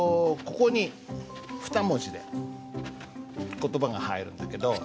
ここに二文字で言葉が入るんだけど。